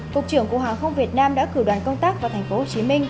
cục trưởng của hàng không việt nam đã cử đoàn công tác vào tp hcm